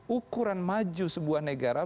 ukuran maju sebuah negara